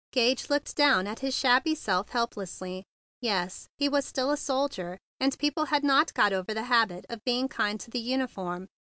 Gage looked down at his shabby self helplessly. Yes, he was still a soldier, and people had not got over the habit of being kind to the uniform.